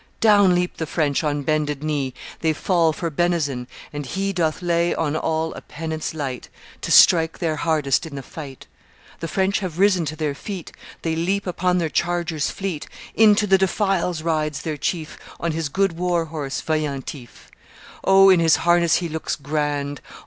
"Down leap the French, on bended knee They fall for benison; and he Doth lay on all a penance light To strike their hardest in the fight. "The French have risen to their feet; They leap upon their chargers fleet; Into the defiles rides their chief On his good war horse, Veillantif. O, in his harness he looks grand!